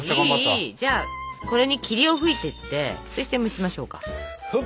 じゃあこれに霧を吹いてってそして蒸しましょうか。